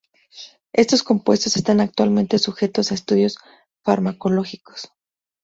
Estos compuestos están actualmente sujetos a estudios farmacológicos.